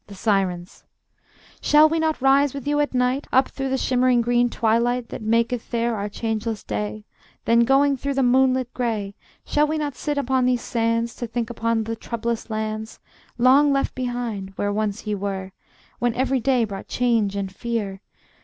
The Sirens: Shall we not rise with you at night, Up through the shimmering green twilight, That maketh there our changeless day, Then going through the moonlight gray, Shall we not sit upon these sands, To think upon the troublous lands Long left behind, where once ye were, When every day brought change and fear!